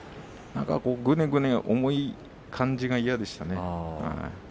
ぐねぐね重い感じが嫌でしたね。